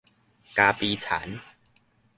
咖啡田